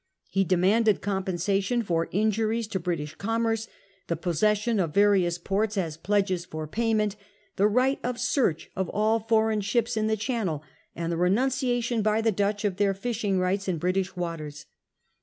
He demanded compensation for injuries to British commerce, the pos session of various ports as pledges for payment, the right of search of all foreign ships in the Channel, and^he re nunciation by the Dutch of their fishing rights in British M.ti. K. 130 The First Dutch War . 1664. waters.